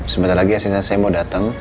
sebentar lagi hasilnya saya mau datang